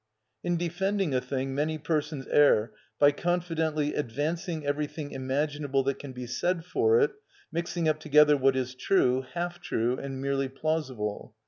In defending a thing many persons err by confidently advancing everything imaginable that can be said for it, mixing up together what is true, half true, and merely plausible.